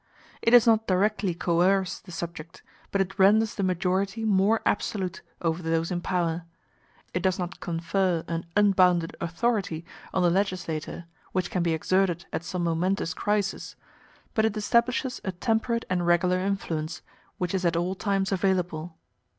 It does not directly coerce the subject, but it renders the majority more absolute over those in power; it does not confer an unbounded authority on the legislator which can be exerted at some momentous crisis, but it establishes a temperate and regular influence, which is at all times available.